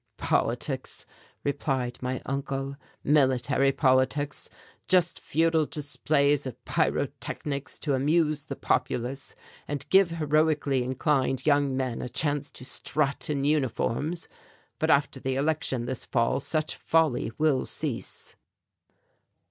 "Politics," replied my uncle, "military politics, just futile display of pyrotechnics to amuse the populace and give heroically inclined young men a chance to strut in uniforms but after the election this fall such folly will cease."